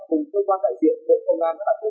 tờ nhận sẽ được ăn không báo trước